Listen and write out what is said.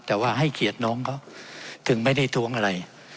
แต่ว่าให้เกียรติน้องเขาถึงไม่ได้ท้วงอะไร